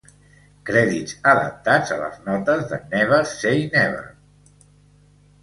Crèdits adaptats a les notes de "Never say Never".